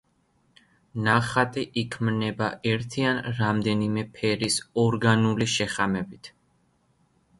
ნახატი იქმნება ერთი ან რამდენიმე ფერის ორგანული შეხამებით.